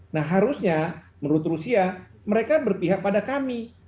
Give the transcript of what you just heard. nah harusnya menurut rusia mereka berpihak pada kami